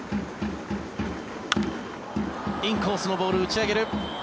インコースのボール打ち上げる。